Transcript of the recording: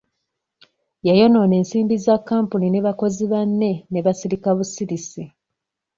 Yayonoona ensimbi za kampuni ne bakozi banne ne basirika busirisi.